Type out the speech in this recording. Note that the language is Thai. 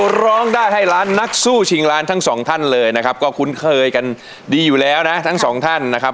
ร้องได้ให้ล้านนักสู้ชิงล้านทั้งสองท่านเลยนะครับก็คุ้นเคยกันดีอยู่แล้วนะทั้งสองท่านนะครับ